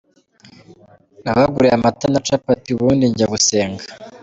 Nabaguriye amata na capati, ubundi njya gusenga.